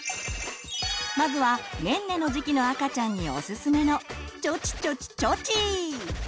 まずはねんねの時期の赤ちゃんにおすすめの「ちょちちょちちょち